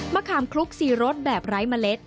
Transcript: ขามคลุกซีรสแบบไร้เมล็ด